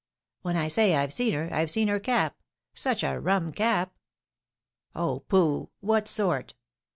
"When I say I've seen her, I've seen her cap; such a rum cap!" "Oh, pooh! What sort?"